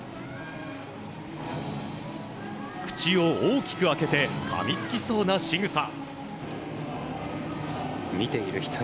口を大きく開けてかみつきそうなしぐさ。